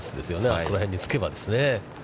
あそこら辺につけばですね。